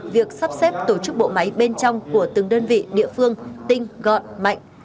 việc sắp xếp tổ chức bộ máy bên trong của từng đơn vị địa phương tinh gọn mạnh